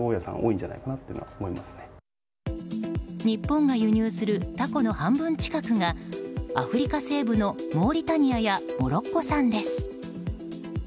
日本が輸入するタコの半分近くがアフリカ西部のモーリタニアやモロッコ産です。